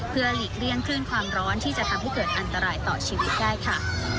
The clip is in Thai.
เพื่อหลีกเลี่ยงคลื่นความร้อนที่จะทำให้เกิดอันตรายต่อชีวิตได้ค่ะ